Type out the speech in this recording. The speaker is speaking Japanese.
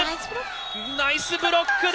ナイスブロックだ！